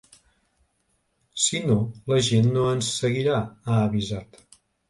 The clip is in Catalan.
“Si no la gent no ens seguirà”, ha avisat.